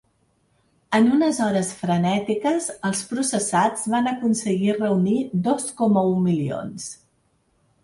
En unes hores frenètiques els processats van aconseguir reunir dos coma u milions.